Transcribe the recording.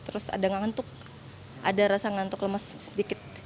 terus ada ngantuk ada rasa ngantuk lemes sedikit